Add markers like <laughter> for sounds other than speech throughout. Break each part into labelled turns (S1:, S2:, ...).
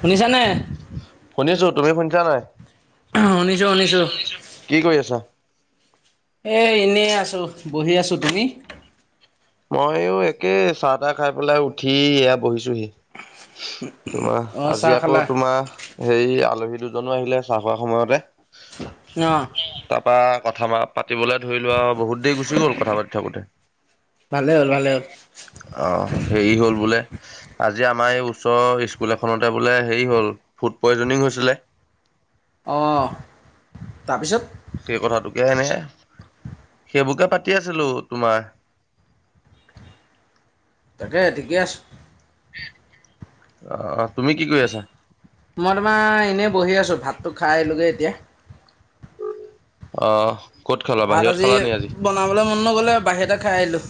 S1: শুনিছানে?
S2: শুনিছো তুমি শুনছা নাই, শুনিছো - শুনিছো কি কৰি আছা?
S1: এই এনেই আছো বহি আছো তুমি?
S2: মইয়ো একে চাহ তাহ খাই পেলাই উঠি এইয়া বহিছো। তোমাৰ
S1: অ' চাহ
S2: আজি আকৌ
S1: খালা?
S2: তোমাৰ হেৰি আলহী দুজনো আহিলে চাহ খোৱা সময়তে
S1: ন।
S2: তাৰপা কথা পাতিবলে ধৰি লোৱা আৰু বহুত দেৰি গুচি গ'ল কথা পাতি থাকোতে।
S1: ভালে হ'ল ভালে হ'ল।
S2: <unintelligible> অহ, হেৰি হ'ল বোলে আজি আমাৰ এই ওচৰৰ স্কুল এখনতে বোলে হেৰি হ'ল ফুড পয়জনিং হৈছিলে। <inaudible>
S1: অঁ তাৰপিছত
S2: সেই কথাটোকে এনে সেইবোৰকে পাতি আছিলো তোমাৰ। <inaudible>
S1: তাকে ঠিকে আছ
S2: অ। তুমি কি কৰি আছা?
S1: মই তোমাৰ এনেই বহি আছো, ভাতটো খাই আহিলোগে এতিয়া।
S2: অ। ক'ত খালা
S1: ভাত
S2: বাহিৰত
S1: আজি
S2: খালা নি
S1: বনাবলৈ মন নগ'লে বাহিৰতে খাই আহিলো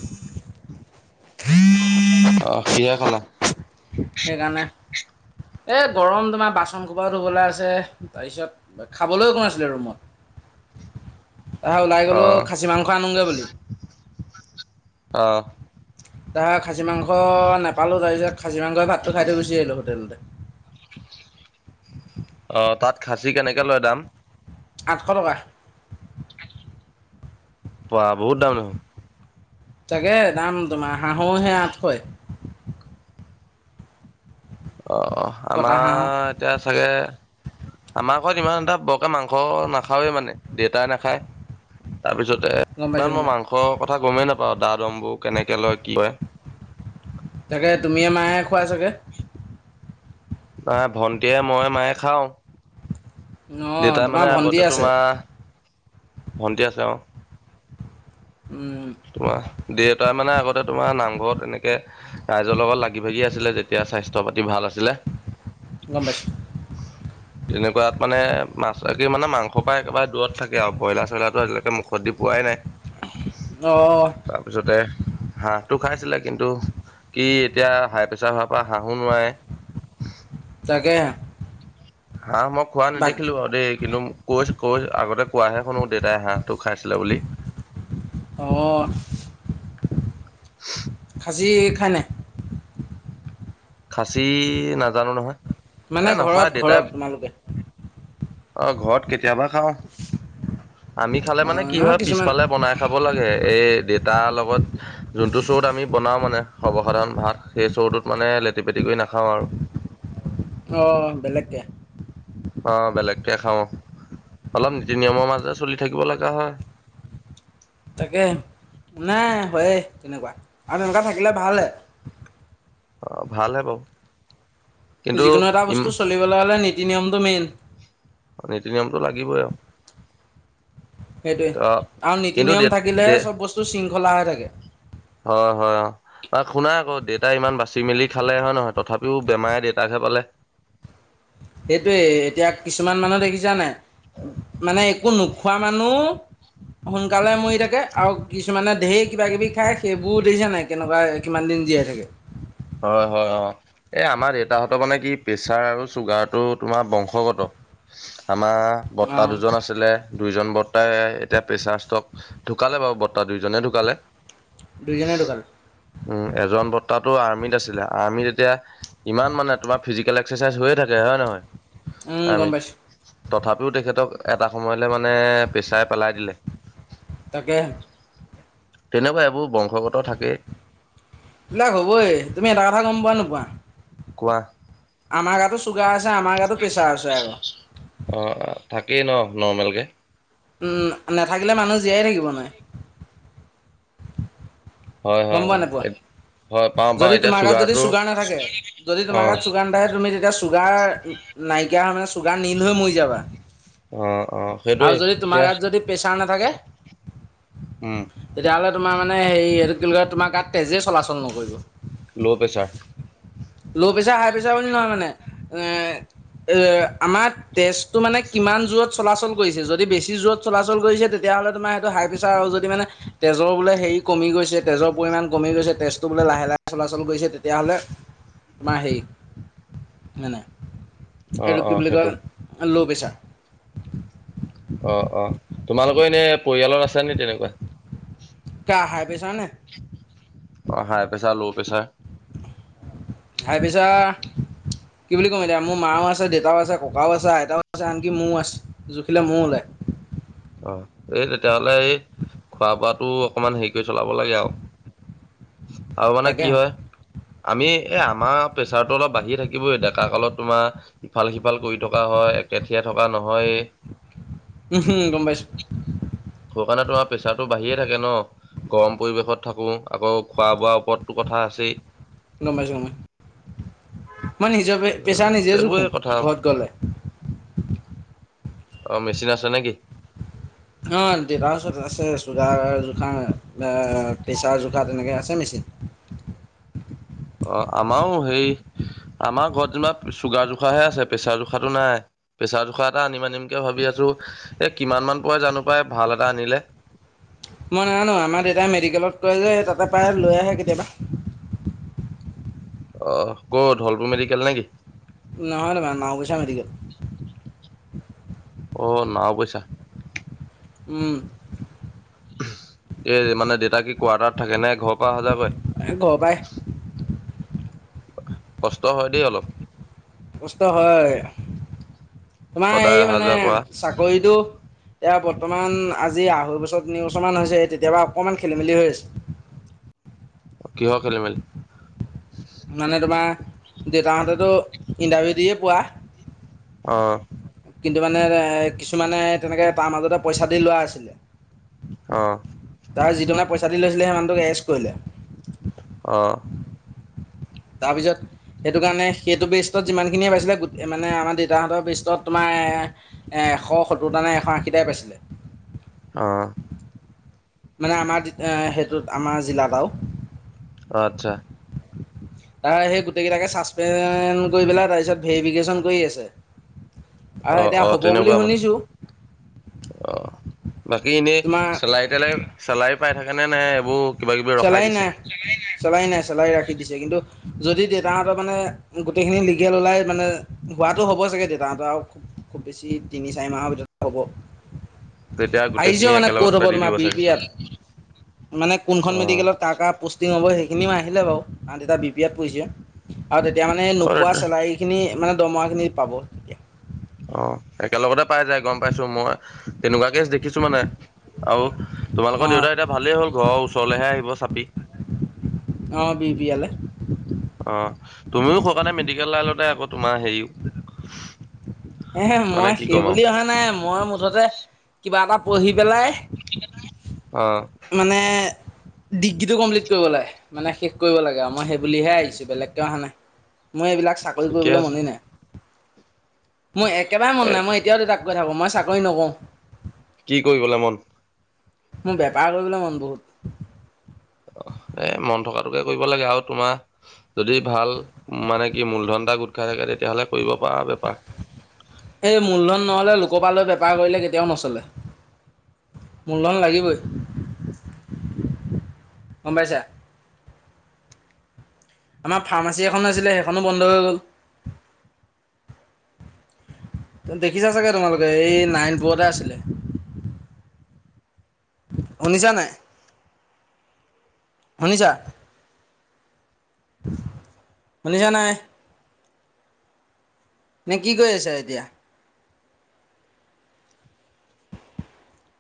S2: অ' কিহে খালা?
S1: এই গৰম তোমাৰ বাচন কোপাও ধুবলৈ আছে তাৰপিছত খাবলৈও একো আছিলে ৰুমত।
S2: <unintelligible>
S1: অ ওলাই গ'লো
S2: অ'
S1: খাছী মাংস আনোগৈ বুলি
S2: আহ
S1: তাৰ খাচী মাংস নাপালোঁ তাৰপিছত খাচী মাংসই ভাতটো খাই থৈ গুচি আহিলোঁ হোটেলতে
S2: অ তাত খাচী কেনেকে লয় দাম
S1: আঠশ টকা
S2: বা বহুত দাম দেখোন।
S1: তাকে দাম তোমাৰ হাঁহোহে আঠশই
S2: অ অ
S1: কটা
S2: আমাৰ
S1: হাঁহৰ
S2: এতিয়া চাগে আমাৰ ঘৰত ইমান এটা বৰকে মাংস মাংস নাখাওৱে মানে দেউতাই নাখায়
S1: গম
S2: তাৰপিছত
S1: পাইছোঁ গম
S2: মই
S1: পাইছোঁ
S2: মাংসৰ কথা গমেই নাপাওঁ দা দমবোৰ কেনেকে লয় কি লয়।
S1: তাকে তুমিয়ে মাহে খোৱা চাগৈ?
S2: নাই ভন্টিয়ে মই মায়ে খাওঁ।
S1: অঁ
S2: দেউতাই
S1: তোমাৰ
S2: মানে
S1: ভণ্টি
S2: আগতে
S1: আছে
S2: তোমাৰ ভণ্টি আছে অ
S1: উম
S2: তোমাৰ দেউতাৰ মানে আগতে তোমাৰ নামঘৰত এনেকে ৰাইজৰ লগত লাগি ভাগি আছিলে যেতিয়া স্বাস্থ্যৰ পাতি ভাল আছিলে।
S1: গম পাইছোঁ।
S2: তেনেকুৱাত মানে মাছ কি মানে মাংসৰ পৰা একেবাৰে দূৰত থাকে আৰু ব্ৰইলাৰ- চ্ৰইলাৰটো আজিলৈকে মুখত দি পোৱাই নাই
S1: অঁ
S2: তাৰপিছতে হাঁহটো খাইছিলে কিন্তু কি এতিয়া হাই প্ৰেছাৰ হোৱাৰ পৰা হাঁহো নোৱাৰে। <unintelligible>
S1: তাকে।
S2: হা মই খোৱা
S1: বাক
S2: নেদেখিলো আৰু দেই কিন্তু কচ ক'চ আগতে কোৱাহে শুনো দেউতাই হাঁহ তো খাইছিলে বুলি।
S1: অ খাছি খাই নাই।
S2: খাচী নাজানো নহয়। এ
S1: মানে
S2: নাখায়
S1: ঘৰত ঘৰত তোমালোকে
S2: আহ ঘৰত কেতিয়াবা খাও আমি খালে মানে
S1: অঁ
S2: কি
S1: নহয়
S2: হয়
S1: কিছুমান
S2: পিছফালে বনাই খাব লাগে এই দেতাৰ লগত যোনতটো শ'ত আমি বনাও মানে সৰ্বসাধাৰণ ভাত সেই চৰুটোত মানে লেটি পেটি কৰি নাখাওঁ আৰু
S1: অঁ বেলেগকে
S2: কে খাও অলপ নীতি নিয়মৰ মাজে চলি থাকিব লগা হয়।
S1: তাকে নাই হয় তেনেকুৱা আৰু তেনেকুৱা থাকিলে ভালহে
S2: অ ভাল হে বাওঁ
S1: যিকোনো এটা বস্তু চলিবলৈ হ'লে নীতি নিয়মটো মেইন।
S2: নীতি নিয়মটো লাগিবই আৰু।
S1: সেইটোৱে
S2: ত
S1: আৰু নীতি
S2: কিন্তু দে
S1: নিয়ম
S2: দে
S1: থাকিলেহে চব বস্তু শৃংখলা হৈ থাকে।
S2: হয় হয় অ শুনা আকৌ দেউতাই ইমান বাচি মেলি খালে হয় নহয় তথাপিও বেমাৰে দেউতাকহে পালে <inaudible>
S1: সেইটোয়ে এতিয়া কিছুমান মানুহ দেখিছে ছা নাই মানে একো নোখোৱা মানুহ সোনকালে মৰি থাকে আৰু কিছুমানে ঢেৰ কিবা কিবি খাই সেইবোৰ দেখিছানাই কেনেকুৱা কিমান দিন জীয়াই থাকে।
S2: হয় হয় অ এই আমাৰ দেউতাহঁতৰ মানে কি প্ৰেচাৰ আৰু চুগাৰটো তোমাৰ বংশগত। আমাৰ
S1: অ
S2: বৰ্তাদুজন আছিলে। দুইজন বৰ্তাই এতিয়া প্ৰেচাৰ ষ্টক ঢুকালে বাৰু বৰ্তাহ দুইজনে ঢুকালে
S1: দুইজনে ঢুকালে
S2: উম এজন বৰ্তাটো আৰ্মিত আৰ্মিত তেতিয়া ইমান মানে তমাৰ ফিজিক এক্সেচাইজ হৈয়ে থাকে হয় নহয়
S1: উম
S2: আমি
S1: গম পাইছো
S2: তথাপিও তেখেতক এটা সময়লে মানে পেছাই পেলাই দিলে
S1: তাকে
S2: তেনেকুৱা এইবোৰ বংশ
S1: এইবিলাক হ'বই তুমি এটা কথা গম পোৱা নোপোৱা?
S2: কোৱা
S1: আমাৰ গাতো চুগাৰ আছে আমাৰ গাতো প্ৰেছাৰ আছে
S2: অ
S1: আৰু
S2: থাকেই ন নৰ্মেল কে।
S1: নাথাকিলে মানুহ জীয়াই থাকিব নাই
S2: হয় হয় হয় পাওঁ পাওঁ
S1: যদি
S2: এতিয়া
S1: তোমাৰ গাত যদি
S2: চুগাৰটো
S1: চুগাৰ নাথাকে, যদি
S2: অ
S1: তোমাৰ গাত চুগাৰ নাথাকে তুমি তেতিয়া চুগাৰ নাইকিয়া হয় মানে চুগাৰ নীল হৈ মৰি যাবা
S2: অ অ সেইটোৱে
S1: আৰু যদি তোমাৰ
S2: এতিয়া
S1: গাত যদি পেচা ন
S2: উম
S1: তেতিয়া হ'লে তোমাৰ হে তোমাৰ গাত তেজে চলাচল নকৰিব।
S2: Low pressure
S1: low pressure high pressure বুলি নহয় মানে এ এ আমাৰ তেজটো মানে কিমান জোৰত চলাচল কৰিছে যদি বেছি জোৰত চলাচল কৰিছে তেতিয়া তেতিয়াহ'লে তোমাৰ সেইটো হাই প্ৰেছাৰ আৰু যদি মানে তেজৰ বোলে হেৰি কমি গৈছে তেজৰ পৰিমাণ কমি গৈছে তেজটো বোলে লাহে লাহে চলাচল কৰিছে তেতিয়াহ'লে তোমাৰ হেৰি মানে।
S2: অ
S1: এইটো কি
S2: অ
S1: বুলি কয়
S2: সেইটো।
S1: ল' প্ৰেছা
S2: অ অ তোমালোকৰ এনে পৰিয়ালত আছ নি তেনেকুৱা
S1: কা হাই পেছা নে
S2: অ high pressure, low pressure.
S1: High pressure কি বুলি ক'ম এতিয়া মোৰ মাও আছে দেউতাও আছে ককাও আছে আইতাও আছে আনকি ময়ও আছে জুখিলে ময়ও ওলায়
S2: <inaudible> অ এই তেতিয়াহলে এই খোৱা বোৱাটো অকমান হেৰিকে চলাব লাগে আৰু। আৰু মানে
S1: তাকে
S2: কি হয় আমি এ আমাৰ প্ৰেচাৰতটো অলপ বাঢ়ি থাকিবই ডেকা কালত তোমাৰ ইফাল সিফাল কৰি থকা হয় একেঠিয়া থকা নহয়
S1: উম হম গম পাইছো
S2: মানে তোমাৰ প্ৰেছাৰটো বাঢ়িয়ে থাকে ন গৰম পৰিৱেশত থাকো আকৌ খোৱা বোৱাৰ ওপৰতো কথা আছেই।
S1: গমপাইছো। মই নিজে পেচা
S2: উম
S1: নিজে জোখো
S2: সেইবোৰে কথা
S1: ঘৰত
S2: আৰু
S1: গলে।
S2: অ মেচিন আছে নেকি
S1: অ দেউতাৰ ওচৰত আছে চুগাৰ জোখা পেচাৰ জোখা তেনেকে আছে মেচিনা <unintelligible>
S2: <inaudible> অ আমাৰো সেই আমাৰ ঘৰত যেনিবা চুগাৰ জোখাহে আছে প্ৰেছাৰ জোখাটো নাই। প্ৰেছাৰ জোখাৰ এটা আনিম আনিমকে ভাবি আছো এ কিমান মান পৰে জানো পাই ভাল এটা আনিলে <inaudible>
S1: মই নাজানো আমাৰ দেউতাই মেডিকেলত কৰে যে তাতে পায় লৈ আহে কেতিয়াবা।
S2: অঁ কত ধলপুৰ মেডিকেল নে কি
S1: নহয় তোমাৰ মাওবৈছা মেডিকেল
S2: অ নাওবৈছা
S1: উম।
S2: এ মানে দেউতা কি কোৱাৰ্টাৰত থাকে নে ঘৰত
S1: এ ঘৰ পাই
S2: কষ্ট হয় দেই অলপ
S1: কষ্ট হয় তোমাৰ
S2: সদায়
S1: এই
S2: অহা
S1: মানে
S2: যোৱা কৰা
S1: চাকৰিটো এতিয়া বৰ্তমান আজি আঢ়ৈ বছৰ তিনি বছৰমান হৈছে তেতিয়াপা অকণমান খেলি মেলি হৈ আছে।
S2: কিহৰ খেলি মেলি।
S1: মানে তোমাৰ দেউতাহঁতেতো ইণ্টাৰভিউ দিয়ে পোৱা
S2: আহ
S1: কিন্তু মানে এ কিছুমানে তেনেকে তাৰ মাজতে পইচা দি লোৱা আছিলে
S2: আহ
S1: তাৰ যিজনে পইচা দি লৈছিলে সেই মানুটোক এৰেষ্ট কৰিলে
S2: অঁ
S1: তাৰপিছত সেইটো কাৰণে সেইটো বেষ্টত যিমানখিনিয়ে পাইছিলে মানে আমাৰ দেউতাহঁতৰ বেষ্টত তোমাৰ এশ সত্তৰটা নে এশ আশীটাই পাইছিলে।
S2: অহ।
S1: মানে আমাৰ সেইটোত আমাৰ জিলাত আও
S2: অঁ আত্ছা
S1: তাৰ সেই গোটেইকেইটাকে ছাছপেন কৰি পেলাই তাৰপিছত ভেৰিফিকেশ্যন কৰি আছে আৰু
S2: অহ
S1: এতিয়া
S2: অহ
S1: হ'ব বুলি
S2: তেনেকুৱা মানে।
S1: শুনিছোঁ
S2: অ' বাকী এনেই
S1: তোমাৰ
S2: চেলাৰী তেলাৰী চেলাৰী পাই থাকে নে নাই এইবোৰ কিবা কিবি ৰখাই
S1: চেলাই
S2: দিছে
S1: নাই চেলাই নাই চেলাই ৰাখি দিছে কিন্তু যদি দেউতাহঁতৰ মানে গোটেইখিনি লিগেল ওলাই মানে হোৱাটো হ'ব চাগে দেউতাহঁতৰ আৰু খুব বেছি তিনি চাৰি মাহৰ ভিতৰতে হ'ব।
S2: তেতিয়া
S1: আইজিও
S2: গোটেইখিনি
S1: মানে ক'ত
S2: একেলগতে
S1: হ'ব
S2: দি
S1: তোমাৰ
S2: দিব
S1: বি
S2: চাগে
S1: পি
S2: চোন
S1: ইাত মানে
S2: অ
S1: কোনখন মেডিকেলত কাৰ কাৰ প'ষ্টিং হ'ব সেইখিনিও আহিলে বাৰু আমাৰ ডেটা বি পি এত পৰিছে। আৰু তেতিয়া মানে
S2: অ
S1: নোপোৱা চেলাৰিখিনি মানে দৰমহাখিনি পাব।
S2: অ একেলগতে পাই যায় গম পাইছো মই তেনেকুৱা কেচ দেখিছো মানে আৰু তোমালোকৰ
S1: অঁ
S2: দেউতা এতিয়া ভালেই হ'ল ঘৰৰ ওচৰলৈহে আহিব চাপি
S1: অ বি পিয়ালে
S2: অ তুমিও স কাৰণে মেডিকেল লাইনতে আকৌ তোমাৰ হেৰি
S1: এহে
S2: মানে
S1: মই
S2: কি
S1: সেইব
S2: ক'ম আৰু
S1: অহা নাই মই মুঠতে কিবা এটা পঢ়ি পেলাই
S2: <inaudible>
S1: মানে ডিগ্ৰীটো কমপ্লিট কৰিব লাগে মানে শেষ কৰিব লাগে আৰু মই সেই বুলিহে আহিছো বেলেগকে অহা নাই। মই এইবিলাক চাকৰি
S2: ঠিকে
S1: কৰিবলে
S2: আছে
S1: মনে নাই। মোৰ একেবাৰে মন
S2: এ
S1: নাই মই এতিয়াও দেউতাক কৈ থাকোঁ মই চাকৰি নকৰোওঁ।
S2: কি কৰিবলে মন
S1: মোৰ বেপাৰ কৰিবলৈ মন বহুত
S2: অ। এ মন থকাটোকে কৰিব লাগে আৰু তোমাৰ যদি ভাল মানে কি মূলধনটা গোট খাই থাকে তেতিয়াহ'লে কৰিব পৰা
S1: এই মূলধন নহ'লে লোকপালৈ বেপাৰ কৰিলে কেতিয়াও নচলে মূলধন লাগিবই গম পাইছা‌, আমাৰ ফাৰ্মাচী এখনো আছিলে সেইখনো বন্ধ হৈ গ'ল ত দেখিছা চাগে তোমালোকে এই নাইন বোৱতে আছিলে শুনিছা নাই, শুনিচা। শুনিছা নাই নে কি কৰি আছা এতিয়া